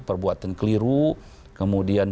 perbuatan keliru kemudian